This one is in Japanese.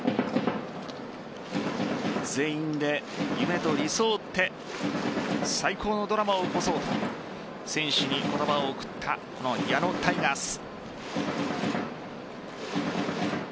全員で夢と理想を追って最高のドラマを起こそうと選手に言葉を送ったこの矢野タイガース。